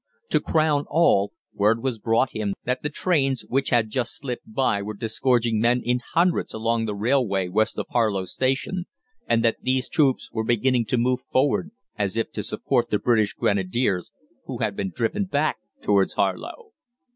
To crown all, word was brought him that the trains which had just slipped by were disgorging men in hundreds along the railway west of Harlow Station, and that these troops were beginning to move forward as if to support the British Grenadiers, who had been driven back towards Harlow.